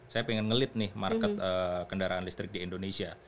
saya pengen ngelit nih market kendaraan listrik di indonesia